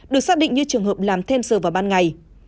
được xác định như trường hợp làm thêm giờ vào ban ngày